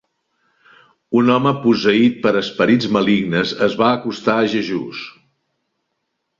Un home posseït per esperits malignes es va acostar a Jesús.